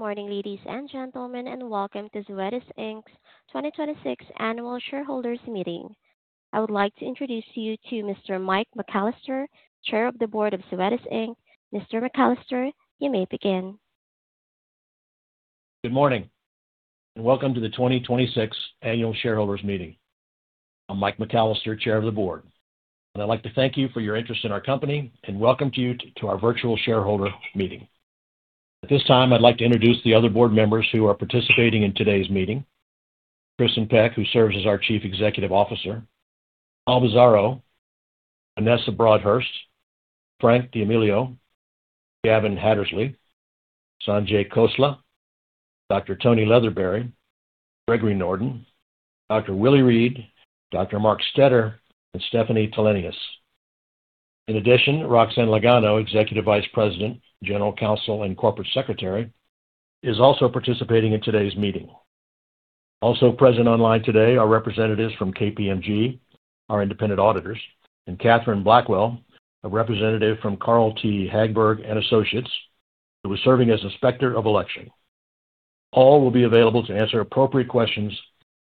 Good morning, ladies and gentlemen, and welcome to Zoetis Inc's 2026 Annual Shareholders' Meeting. I would like to introduce you to Mr. Mike McCallister, Chair of the Board of Zoetis Inc. Mr. McCallister, you may begin. Good morning, welcome to the 2026 Annual Shareholders' Meeting. I'm Mike McCallister, Chair of the Board, and I'd like to thank you for your interest in our company and welcome you to our virtual shareholder meeting. At this time, I'd like to introduce the other board members who are participating in today's meeting. Kristin Peck, who serves as our Chief Executive Officer, Paul Bisaro, Vanessa Broadhurst, Frank D'Amelio, Gavin Hattersley, Sanjay Khosla, Dr. Tonie Leatherberry, Gregory Norden, Dr. Willie Reed, Dr. Mark Stetter, and Stephanie Tilenius. In addition, Roxanne Lagano, Executive Vice President, General Counsel, and Corporate Secretary, is also participating in today's meeting. Also present online today are representatives from KPMG, our independent auditors, and Kathryn Blackwell, a representative from Carl T. Hagberg & Associates, who is serving as Inspector of Election. All will be available to answer appropriate questions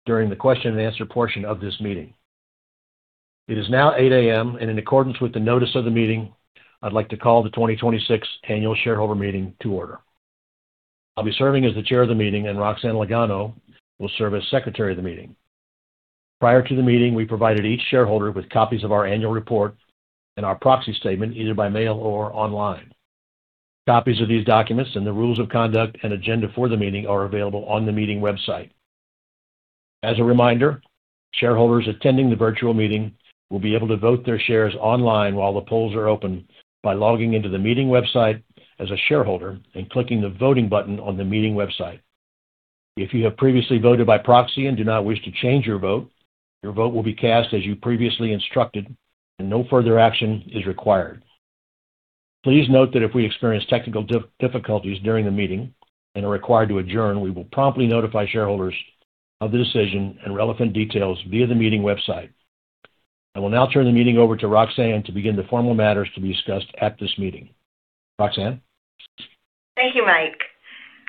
during the question and answer portion of this meeting. It is now 8:00 A.M., and in accordance with the notice of the meeting, I'd like to call the 2026 Annual Shareholder Meeting to order. I'll be serving as the chair of the meeting, and Roxanne Lagano will serve as secretary of the meeting. Prior to the meeting, we provided each shareholder with copies of our annual report and our proxy statement, either by mail or online. Copies of these documents and the rules of conduct and agenda for the meeting are available on the meeting website. As a reminder, shareholders attending the virtual meeting will be able to vote their shares online while the polls are open by logging into the meeting website as a shareholder and clicking the voting button on the meeting website. If you have previously voted by proxy and do not wish to change your vote, your vote will be cast as you previously instructed, and no further action is required. Please note that if we experience technical difficulties during the meeting and are required to adjourn, we will promptly notify shareholders of the decision and relevant details via the meeting website. I will now turn the meeting over to Roxanne to begin the formal matters to be discussed at this meeting. Roxanne? Thank you, Mike.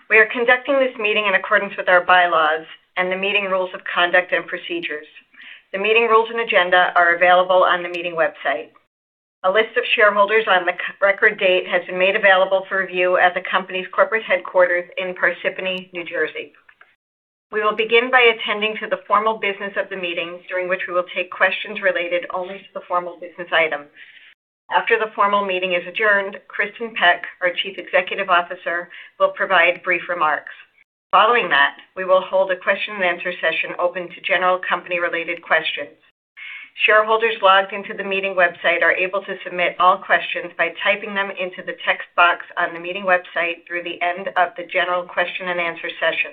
We are conducting this meeting in accordance with our bylaws and the meeting rules of conduct and procedures. The meeting rules and agenda are available on the meeting website. A list of shareholders on the record date has been made available for review at the company's corporate headquarters in Parsippany, New Jersey. We will begin by attending to the formal business of the meeting, during which we will take questions related only to the formal business items. After the formal meeting is adjourned, Kristin Peck, our Chief Executive Officer, will provide brief remarks. Following that, we will hold a question and answer session open to general company-related questions. Shareholders logged into the meeting website are able to submit all questions by typing them into the text box on the meeting website through the end of the general question and answer session.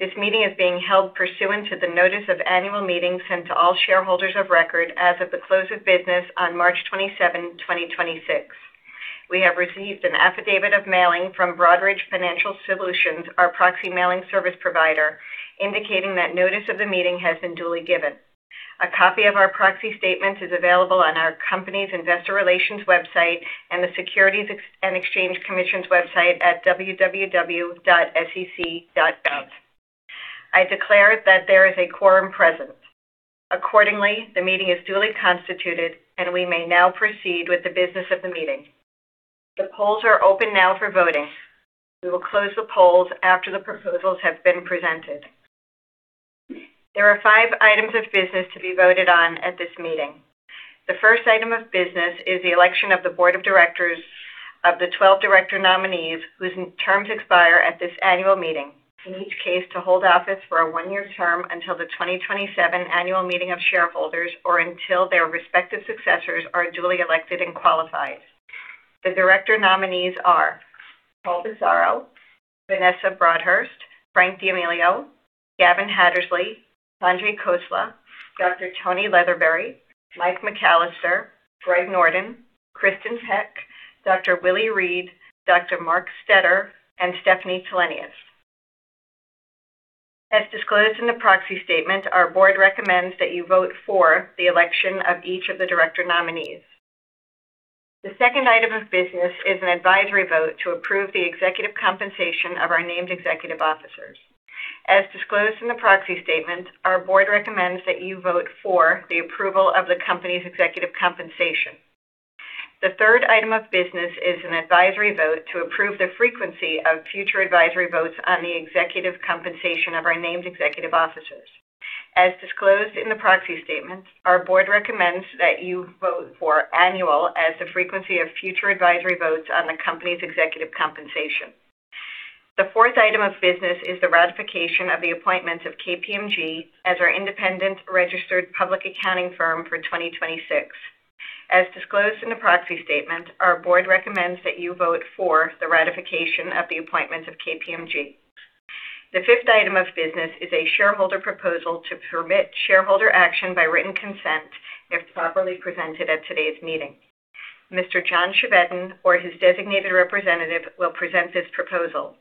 This meeting is being held pursuant to the notice of annual meeting sent to all shareholders of record as of the close of business on March 27, 2026. We have received an affidavit of mailing from Broadridge Financial Solutions, our proxy mailing service provider, indicating that notice of the meeting has been duly given. A copy of our proxy statement is available on our company's investor relations website and the Securities and Exchange Commission's website at www.sec.gov. I declare that there is a quorum present. Accordingly, the meeting is duly constituted, and we may now proceed with the business of the meeting. The polls are open now for voting. We will close the polls after the proposals have been presented. There are five items of business to be voted on at this meeting. The first item of business is the election of the board of directors of the 12 director nominees whose terms expire at this annual meeting, in each case to hold office for a one-year term until the 2027 annual meeting of shareholders or until their respective successors are duly elected and qualified. The director nominees are Paul Bisaro, Vanessa Broadhurst, Frank D'Amelio, Gavin Hattersley, Sanjay Khosla, Dr. Tonie Leatherberry, Mike McCallister, Gregory Norden, Kristin Peck, Dr. Willie Reed, Dr. Mark Stetter, and Stephanie Tilenius. As disclosed in the proxy statement, our board recommends that you vote for the election of each of the director nominees. The second item of business is an advisory vote to approve the executive compensation of our named executive officers. As disclosed in the proxy statement, our board recommends that you vote for the approval of the company's executive compensation. The third item of business is an advisory vote to approve the frequency of future advisory votes on the executive compensation of our named executive officers. As disclosed in the proxy statement, our board recommends that you vote for annual as the frequency of future advisory votes on the company's executive compensation. The fourth item of business is the ratification of the appointment of KPMG as our independent registered public accounting firm for 2026. As disclosed in the proxy statement, our board recommends that you vote for the ratification of the appointment of KPMG. The fifth item of business is a shareholder proposal to permit shareholder action by written consent if properly presented at today's meeting. Mr. John Chevedden or his designated representative will present this proposal.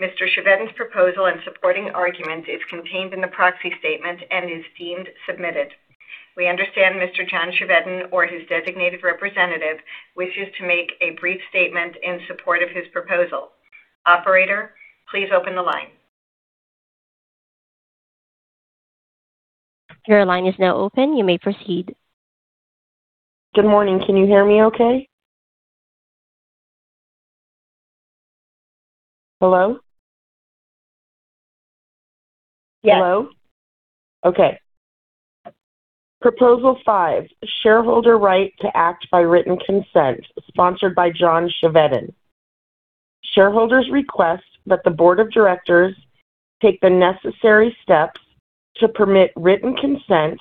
Mr. Chevedden's proposal and supporting argument is contained in the proxy statement and is deemed submitted. We understand Mr. John Chevedden or his designated representative wishes to make a brief statement in support of his proposal. Operator, please open the line. Your line is now open. You may proceed. Good morning. Can you hear me okay? Hello? Yes. Hello? Okay. Proposal 5. Shareholder right to act by written consent sponsored by John Chevedden. Shareholders request that the board of directors take the necessary steps to permit written consent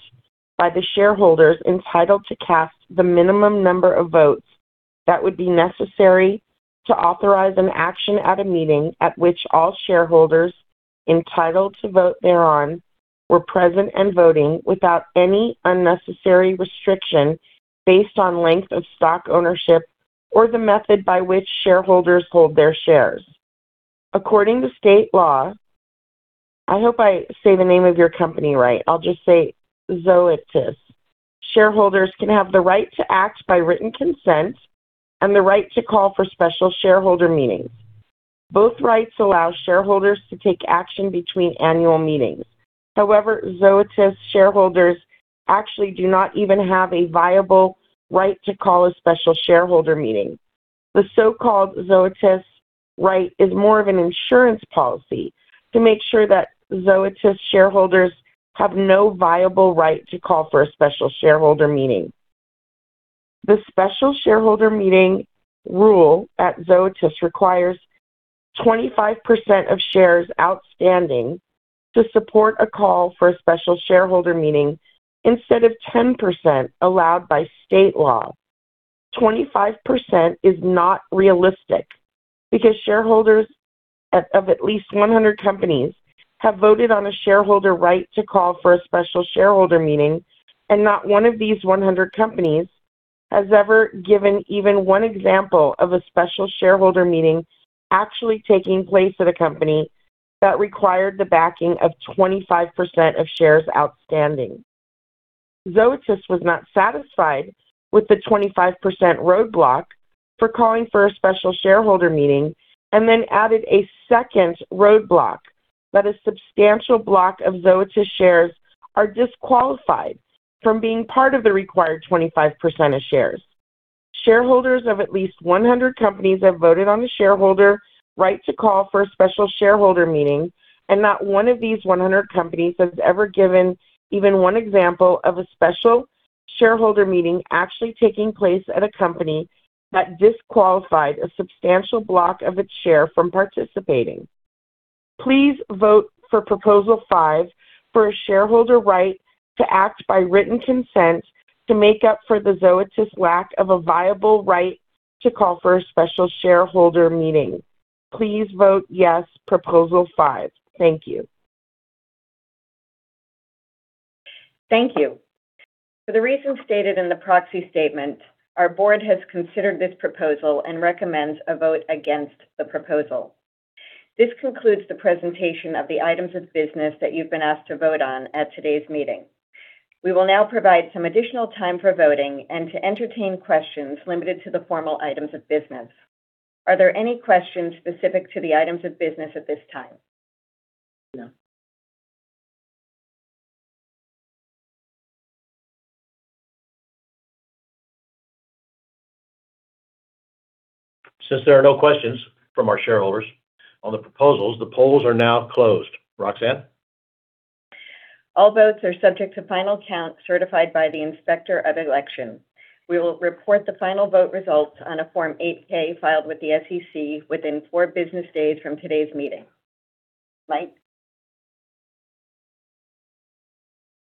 by the shareholders entitled to cast the minimum number of votes that would be necessary to authorize an action at a meeting at which all shareholders entitled to vote thereon were present and voting without any unnecessary restriction based on length of stock ownership or the method by which shareholders hold their shares. According to state law, I hope I say the name of your company right. I'll just say Zoetis. Shareholders can have the right to act by written consent and the right to call for special shareholder meetings. Both rights allow shareholders to take action between annual meetings. Zoetis shareholders actually do not even have a viable right to call a special shareholder meeting. The so-called Zoetis right is more of an insurance policy to make sure that Zoetis shareholders have no viable right to call for a special shareholder meeting. The special shareholder meeting rule at Zoetis requires 25% of shares outstanding to support a call for a special shareholder meeting instead of 10% allowed by state law. 25% is not realistic because shareholders of at least 100 companies have voted on a shareholder right to call for a special shareholder meeting, and not one of these 100 companies has ever given even one example of a special shareholder meeting actually taking place at a company that required the backing of 25% of shares outstanding. Zoetis was not satisfied with the 25% roadblock for calling for a special shareholder meeting and then added a second roadblock that a substantial block of Zoetis shares are disqualified from being part of the required 25% of shares. Shareholders of at least 100 companies have voted on the shareholder right to call for a special shareholder meeting, and not one of these 100 companies has ever given even one example of a special shareholder meeting actually taking place at a company that disqualified a substantial block of its share from participating. Please vote for Proposal 5 for a shareholder right to act by written consent to make up for the Zoetis' lack of a viable right to call for a special shareholder meeting. Please vote yes. Proposal 5. Thank you. Thank you. For the reasons stated in the proxy statement, our board has considered this proposal and recommends a vote against the proposal. This concludes the presentation of the items of business that you've been asked to vote on at today's meeting. We will now provide some additional time for voting and to entertain questions limited to the formal items of business. Are there any questions specific to the items of business at this time? No. Since there are no questions from our shareholders on the proposals, the polls are now closed. Roxanne? All votes are subject to final count certified by the Inspector of Election. We will report the final vote results on a Form 8-K filed with the SEC within four business days from today's meeting. Mike?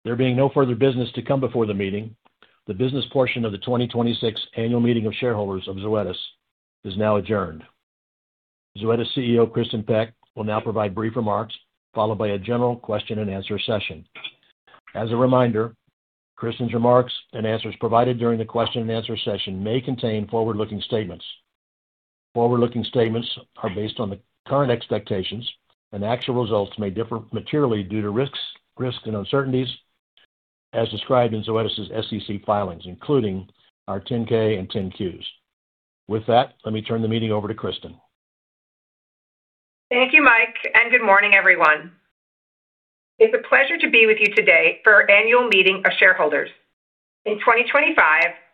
There being no further business to come before the meeting, the business portion of the 2026 Annual Meeting of Shareholders of Zoetis is now adjourned. Zoetis CEO Kristin Peck will now provide brief remarks, followed by a general question and answer session. As a reminder, Kristin's remarks and answers provided during the question and answer session may contain forward-looking statements. Forward-looking statements are based on the current expectations, and actual results may differ materially due to risks and uncertainties as described in Zoetis' SEC filings, including our 10-K and 10-Qs. With that, let me turn the meeting over to Kristin. Thank you, Mike. Good morning, everyone. It's a pleasure to be with you today for our Annual Meeting of Shareholders. In 2025,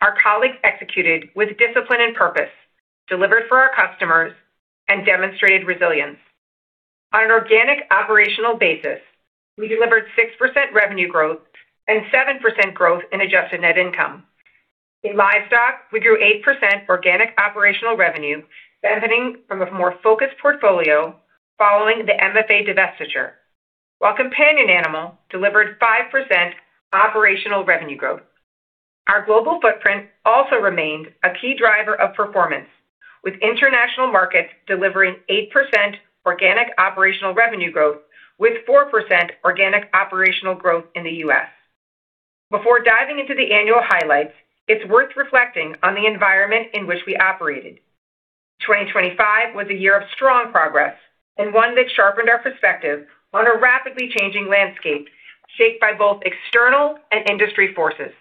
our colleagues executed with discipline and purpose, delivered for our customers, and demonstrated resilience. On an organic operational basis, we delivered 6% revenue growth and 7% growth in adjusted net income. In livestock, we grew 8% organic operational revenue, benefiting from a more focused portfolio following the MFA divestiture, while companion animal delivered 5% operational revenue growth. Our global footprint also remained a key driver of performance, with international markets delivering 8% organic operational revenue growth with 4% organic operational growth in the U.S. Before diving into the annual highlights, it's worth reflecting on the environment in which we operated. 2025 was a year of strong progress and one that sharpened our perspective on a rapidly changing landscape shaped by both external and industry forces.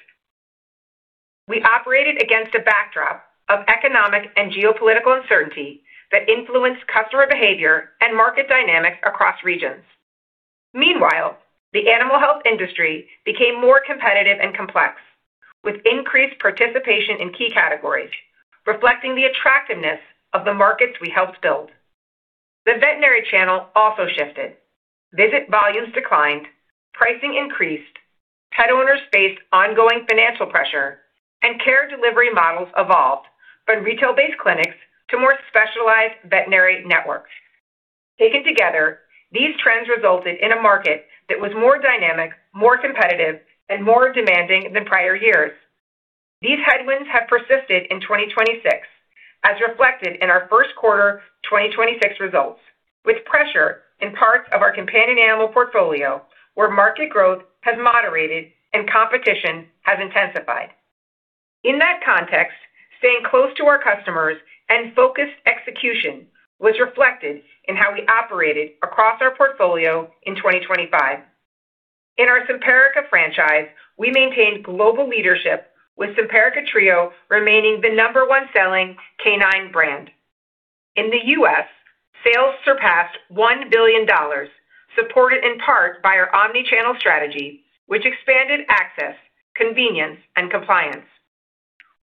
We operated against a backdrop of economic and geopolitical uncertainty that influenced customer behavior and market dynamics across regions. Meanwhile, the animal health industry became more competitive and complex, with increased participation in key categories, reflecting the attractiveness of the markets we helped build. The veterinary channel also shifted. Visit volumes declined, pricing increased, pet owners faced ongoing financial pressure, and care delivery models evolved from retail-based clinics to more specialized veterinary networks. Taken together, these trends resulted in a market that was more dynamic, more competitive, and more demanding than prior years. These headwinds have persisted in 2026, as reflected in our first quarter 2026 results, with pressure in parts of our companion animal portfolio where market growth has moderated and competition has intensified. In that context, staying close to our customers and focused execution was reflected in how we operated across our portfolio in 2025. In our Simparica franchise, we maintained global leadership with Simparica Trio remaining the number one selling canine brand. In the U.S., sales surpassed $1 billion, supported in part by our omni-channel strategy, which expanded access, convenience, and compliance.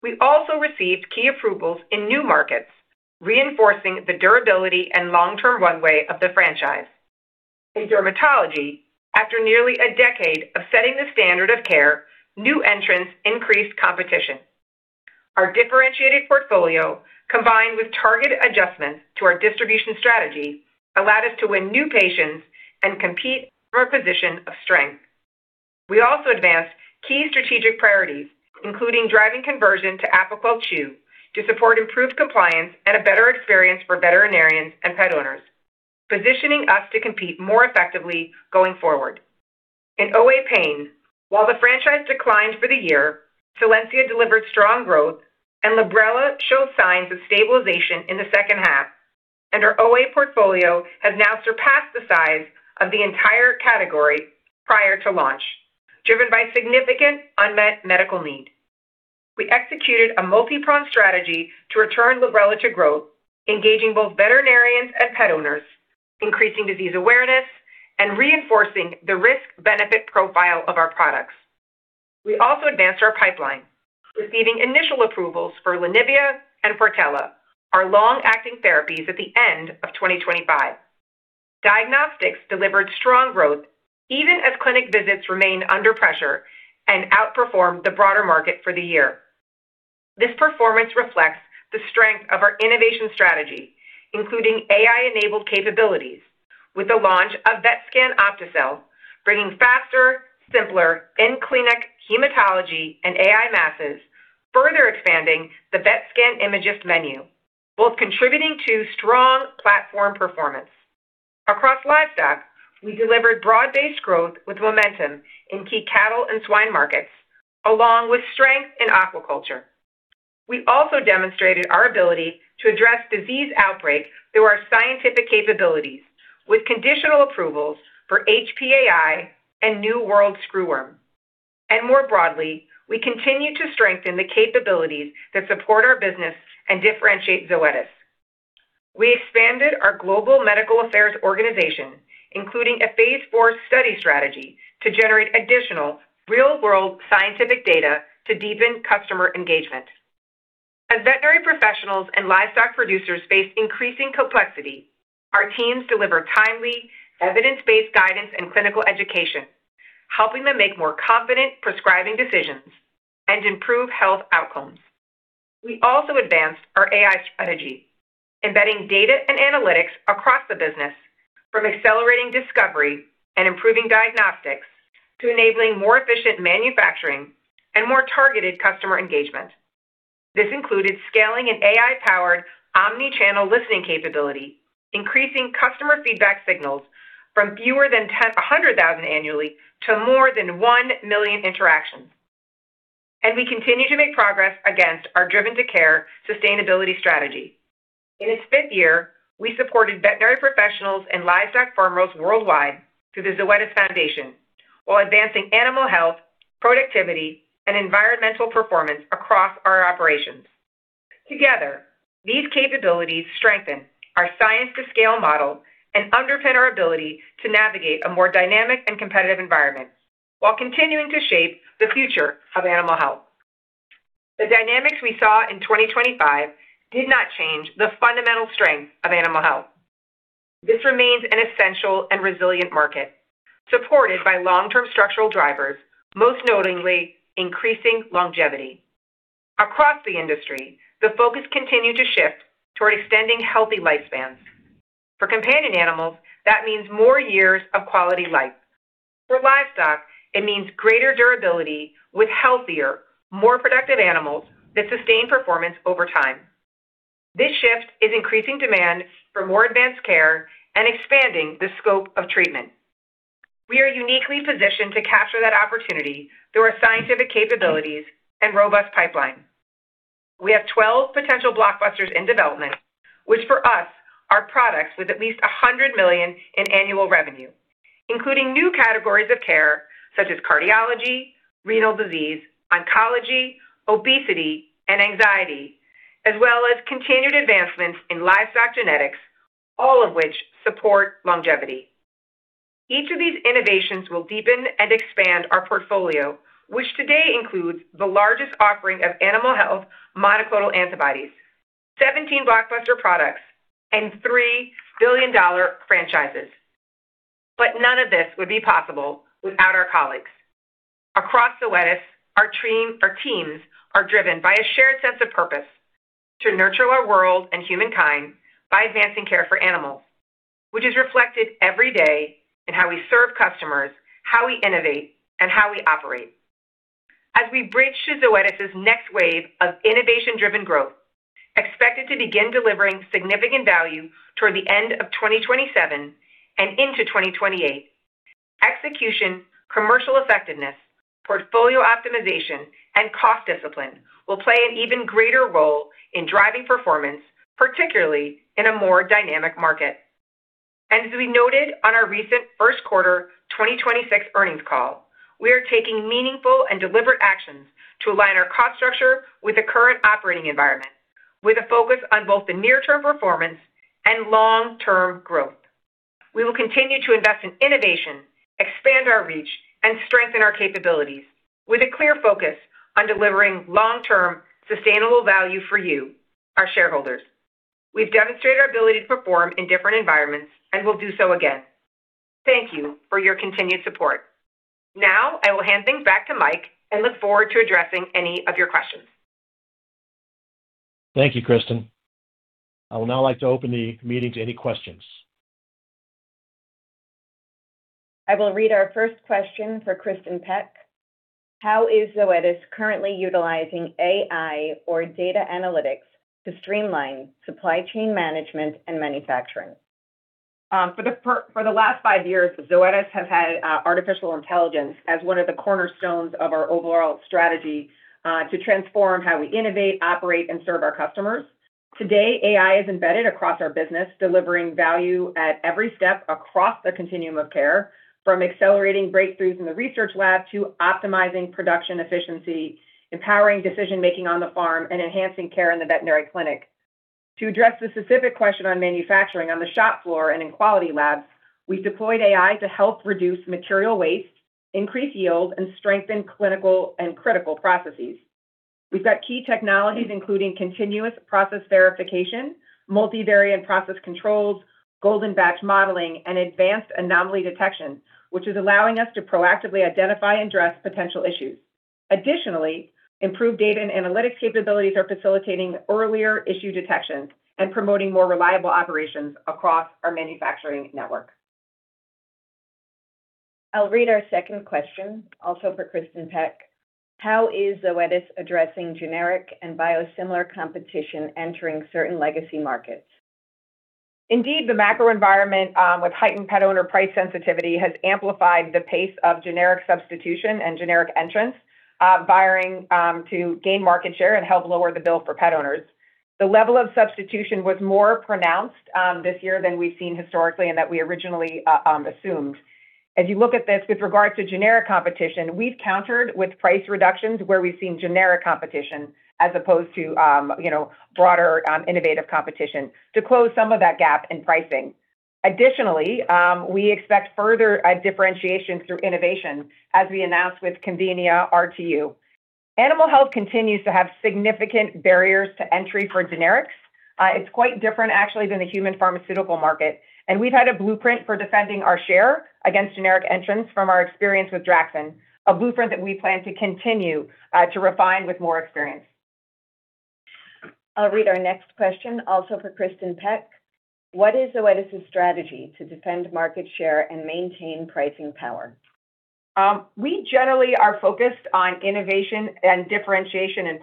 We also received key approvals in new markets, reinforcing the durability and long-term runway of the franchise. In dermatology, after nearly a decade of setting the standard of care, new entrants increased competition. Our differentiated portfolio, combined with targeted adjustments to our distribution strategy, allowed us to win new patients and compete from a position of strength. We also advanced key strategic priorities, including driving conversion to Apoquel Chewable to support improved compliance and a better experience for veterinarians and pet owners, positioning us to compete more effectively going forward. In OA pain, while the franchise declined for the year, Solensia delivered strong growth and Librela showed signs of stabilization in the second half. Our OA portfolio has now surpassed the size of the entire category prior to launch, driven by significant unmet medical need. We executed a multi-pronged strategy to return Librela to growth, engaging both veterinarians and pet owners, increasing disease awareness, and reinforcing the risk-benefit profile of our products. We also advanced our pipeline, receiving initial approvals for Lenivia and Portela, our long-acting therapies at the end of 2025. Diagnostics delivered strong growth even as clinic visits remained under pressure and outperformed the broader market for the year. This performance reflects the strength of our innovation strategy, including AI-enabled capabilities with the launch of Vetscan OptiCell, bringing faster, simpler in-clinic hematology and AI Masses, further expanding the Vetscan Imagyst menu, both contributing to strong platform performance. Across livestock, we delivered broad-based growth with momentum in key cattle and swine markets, along with strength in aquaculture. We also demonstrated our ability to address disease outbreaks through our scientific capabilities with conditional approvals for HPAI and New World screwworm. More broadly, we continue to strengthen the capabilities that support our business and differentiate Zoetis. We expanded our global medical affairs organization, including a phase IV study strategy to generate additional real-world scientific data to deepen customer engagement. As veterinary professionals and livestock producers face increasing complexity, our teams deliver timely, evidence-based guidance and clinical education, helping them make more confident prescribing decisions and improve health outcomes. We also advanced our AI strategy, embedding data and analytics across the business from accelerating discovery and improving diagnostics to enabling more efficient manufacturing and more targeted customer engagement. This included scaling an AI-powered omni-channel listening capability, increasing customer feedback signals from fewer than 100,000 annually to more than 1 million interactions. We continue to make progress against our Driven to Care sustainability strategy. In its fifth year, we supported veterinary professionals and livestock farmers worldwide through the Zoetis Foundation while advancing animal health, productivity, and environmental performance across our operations. Together, these capabilities strengthen our science-to-scale model and underpin our ability to navigate a more dynamic and competitive environment while continuing to shape the future of animal health. The dynamics we saw in 2025 did not change the fundamental strength of animal health. This remains an essential and resilient market, supported by long-term structural drivers, most notably increasing longevity. Across the industry, the focus continued to shift toward extending healthy lifespans. For companion animals, that means more years of quality life. For livestock, it means greater durability with healthier, more productive animals that sustain performance over time. This shift is increasing demand for more advanced care and expanding the scope of treatment. We are uniquely positioned to capture that opportunity through our scientific capabilities and robust pipeline. We have 12 potential blockbusters in development, which for us are products with at least $100 million in annual revenue, including new categories of care such as cardiology, renal disease, oncology, obesity, and anxiety, as well as continued advancements in livestock genetics, all of which support longevity. Each of these innovations will deepen and expand our portfolio, which today includes the largest offering of animal health monoclonal antibodies, 17 blockbuster products, and three billion-dollar franchises. None of this would be possible without our colleagues. Across Zoetis, our teams are driven by a shared sense of purpose to nurture our world and humankind by advancing care for animals, which is reflected every day in how we serve customers, how we innovate, and how we operate. As we bridge to Zoetis' next wave of innovation-driven growth, expected to begin delivering significant value toward the end of 2027 and into 2028, execution, commercial effectiveness, portfolio optimization, and cost discipline will play an even greater role in driving performance, particularly in a more dynamic market. As we noted on our recent first quarter 2026 earnings call, we are taking meaningful and deliberate actions to align our cost structure with the current operating environment, with a focus on both the near-term performance and long-term growth. We will continue to invest in innovation, expand our reach, and strengthen our capabilities with a clear focus on delivering long-term sustainable value for you, our shareholders. We've demonstrated our ability to perform in different environments and will do so again. Thank you for your continued support. Now, I will hand things back to Mike and look forward to addressing any of your questions. Thank you, Kristin. I would now like to open the meeting to any questions. I will read our first question for Kristin Peck. How is Zoetis currently utilizing AI or data analytics to streamline supply chain management and manufacturing? For the last five years, Zoetis have had artificial intelligence as one of the cornerstones of our overall strategy to transform how we innovate, operate, and serve our customers. Today, AI is embedded across our business, delivering value at every step across the continuum of care, from accelerating breakthroughs in the research lab to optimizing production efficiency, empowering decision-making on the farm, and enhancing care in the veterinary clinic. To address the specific question on manufacturing on the shop floor and in quality labs, we've deployed AI to help reduce material waste, increase yield, and strengthen clinical and critical processes. We've got key technologies including continuous process verification, multivariate process controls, golden batch modeling, and advanced anomaly detection, which is allowing us to proactively identify and address potential issues. Additionally, improved data and analytics capabilities are facilitating earlier issue detection and promoting more reliable operations across our manufacturing network. I'll read our second question, also for Kristin Peck. How is Zoetis addressing generic and biosimilar competition entering certain legacy markets? Indeed, the macro environment with heightened pet owner price sensitivity has amplified the pace of generic substitution and generic entrants, vying to gain market share and help lower the bill for pet owners. The level of substitution was more pronounced this year than we've seen historically and that we originally assumed. As you look at this with regards to generic competition, we've countered with price reductions where we've seen generic competition as opposed to broader innovative competition to close some of that gap in pricing. Additionally, we expect further differentiation through innovation, as we announced with Convenia RTU. Animal health continues to have significant barriers to entry for generics. It's quite different, actually, than the human pharmaceutical market, and we've had a blueprint for defending our share against generic entrants from our experience with Draxxin, a blueprint that we plan to continue to refine with more experience. I'll read our next question, also for Kristin Peck. What is Zoetis' strategy to defend market share and maintain pricing power? We generally are focused on innovation and differentiation in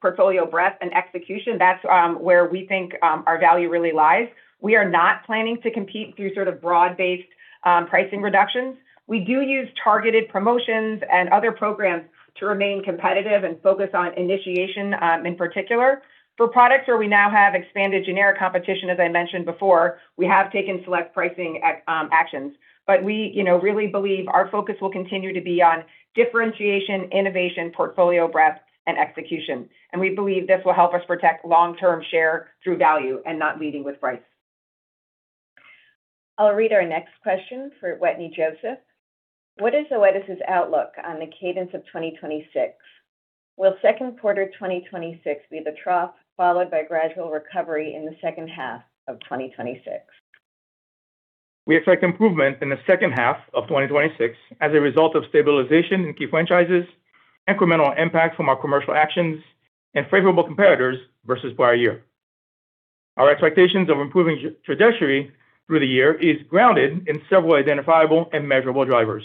portfolio breadth and execution. That's where we think our value really lies. We are not planning to compete through sort of broad-based pricing reductions. We do use targeted promotions and other programs to remain competitive and focus on initiation, in particular. For products where we now have expanded generic competition, as I mentioned before, we have taken select pricing actions. We really believe our focus will continue to be on differentiation, innovation, portfolio breadth, and execution. We believe this will help us protect long-term share through value and not leading with price. I'll read our next question for Wetteny Joseph. What is Zoetis' outlook on the cadence of 2026? Will second quarter 2026 be the trough, followed by gradual recovery in the second half of 2026? We expect improvement in the second half of 2026 as a result of stabilization in key franchises, incremental impact from our commercial actions, and favorable competitors versus prior year. Our expectations of improving trajectory through the year is grounded in several identifiable and measurable drivers.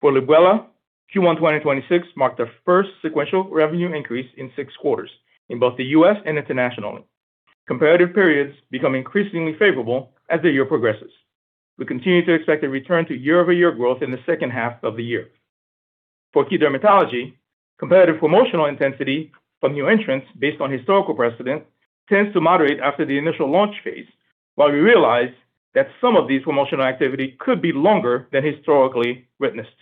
For Librela, Q1 2026 marked the first sequential revenue increase in six quarters in both the U.S. and internationally. Comparative periods become increasingly favorable as the year progresses. We continue to expect a return to year-over-year growth in the second half of the year. For key dermatology, comparative promotional intensity from new entrants based on historical precedent tends to moderate after the initial launch phase, while we realize that some of these promotional activity could be longer than historically witnessed.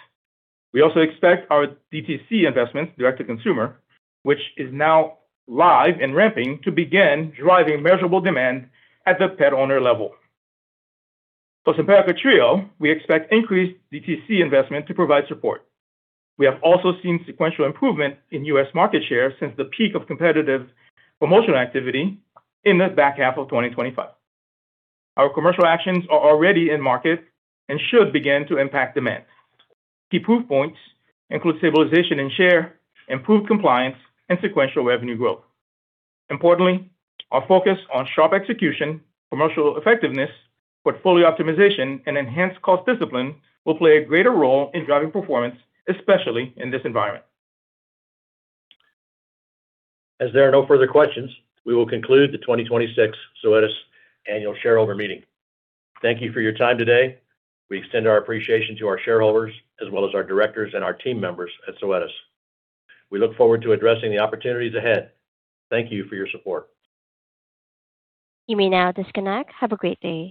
We also expect our DTC investments, direct-to-consumer, which is now live and ramping to begin driving measurable demand at the pet owner level. For Simparica Trio, we expect increased DTC investment to provide support. We have also seen sequential improvement in U.S. market share since the peak of competitive promotional activity in the back half of 2025. Our commercial actions are already in market and should begin to impact demand. Key proof points include stabilization in share, improved compliance, and sequential revenue growth. Importantly, our focus on sharp execution, promotional effectiveness, portfolio optimization, and enhanced cost discipline will play a greater role in driving performance, especially in this environment. As there are no further questions, we will conclude the 2026 Zoetis Annual Shareholder Meeting. Thank you for your time today. We extend our appreciation to our shareholders as well as our directors and our team members at Zoetis. We look forward to addressing the opportunities ahead. Thank you for your support. You may now disconnect. Have a great day.